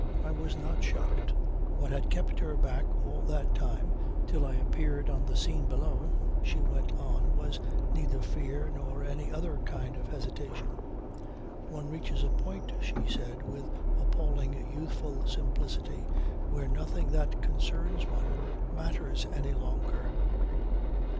I was not shocked. What had kept her back all that time, till I appeared on the scene below, she went on, was neither fear nor any other kind of hesitation. One reaches a point, she said with appalling youthful simplicity, where nothing that concerns one matters any longer.